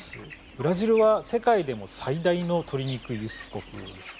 ブラジルは世界でも最大の鶏肉輸出国です。